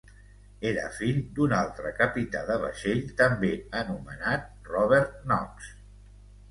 Era fill d'un altre capità de vaixell, també anomenat Robert Knox.